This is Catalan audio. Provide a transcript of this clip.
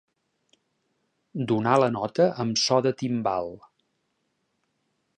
Donar la nota amb so de timbal.